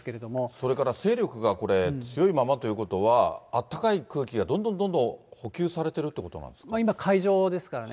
それから勢力がこれ、強いままということは、あったかい空気がどんどんどんどん補給されているっていうことな今、海上ですからね。